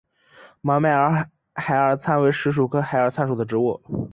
毛脉孩儿参为石竹科孩儿参属的植物。